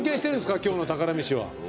今日の宝メシは。